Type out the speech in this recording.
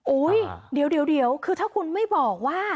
เดี๋ยวคือถ้าคุณไม่บอกว่า